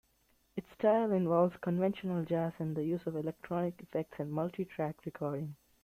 Its style involves conventional jazz and the use of electronic effects and multitrack recording.